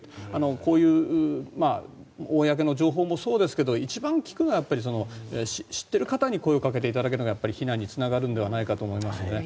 こういう公の情報もそうですけど一番効くのは知っている方に声をかけていただくのがやっぱり避難につながるんではないかと思いますのでね。